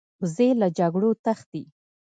وزې له جګړو تښتي